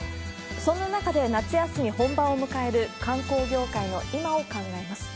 そんな中で夏休み本番を迎える観光業界の今を考えます。